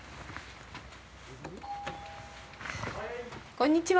こんにちは。